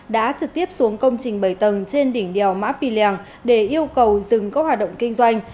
đã trực tiếp xuống công trình bảy tầng trên đỉnh đèo mã pì lèng để yêu cầu dừng các hoạt động kinh doanh